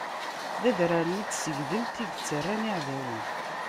D adrar-nni n Tsegdelt i yettarran iɛdawen.